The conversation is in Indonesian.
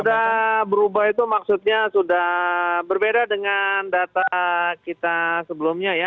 sudah berubah itu maksudnya sudah berbeda dengan data kita sebelumnya ya